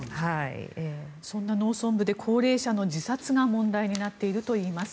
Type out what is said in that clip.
そんな農村部で高齢者の自殺が問題になっているといいます。